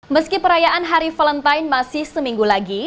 meski perayaan hari valentine masih seminggu lagi